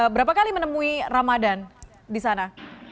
berapa kali menemui ramadan di sana